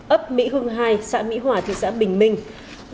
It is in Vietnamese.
ấp mỹ hưng hai xã mỹ hòa thị xã bình minh